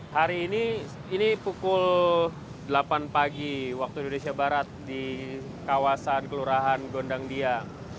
hari ini ini pukul delapan pagi waktu indonesia barat di kawasan kelurahan gondang dia